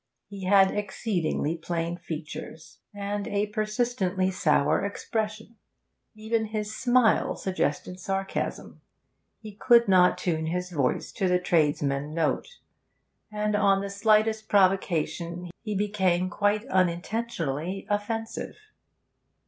He had exceedingly plain features, and a persistently sour expression; even his smile suggested sarcasm. He could not tune his voice to the tradesman note, and on the slightest provocation he became, quite unintentionally, offensive.